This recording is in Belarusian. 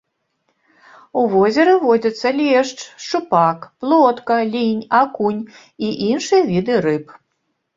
У возеры водзяцца лешч, шчупак, плотка, лінь, акунь і іншыя віды рыб.